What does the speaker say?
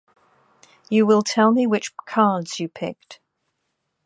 You will tell me which cards you picked.